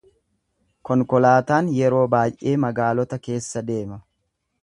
Konkolaataan yeroo baay’ee magaalota keessa deema.